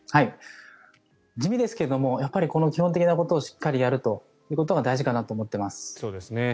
地味ですがやっぱり基本的なことをしっかりやることが大事かなと思っています。